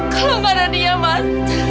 kalau nggak ada dia mas